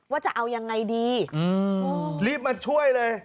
จะเอายังไงดีรีบมาช่วยเลย